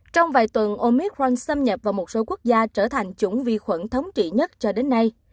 trong vài tuần omitralk xâm nhập vào một số quốc gia trở thành chủng vi khuẩn thống trị nhất cho đến nay